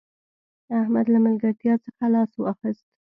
احمد له ملګرتیا څخه لاس واخيست